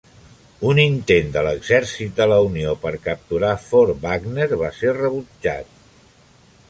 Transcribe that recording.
Un intent de l'exèrcit de la Unió per capturar Fort Wagner va ser rebutjat.